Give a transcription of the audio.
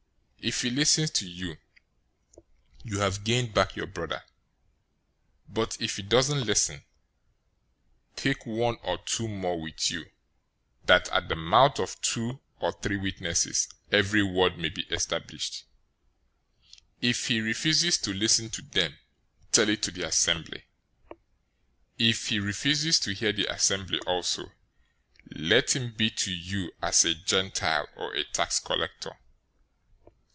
If he listens to you, you have gained back your brother. 018:016 But if he doesn't listen, take one or two more with you, that at the mouth of two or three witnesses every word may be established.{Deuteronomy 19:15} 018:017 If he refuses to listen to them, tell it to the assembly. If he refuses to hear the assembly also, let him be to you as a Gentile or a tax collector.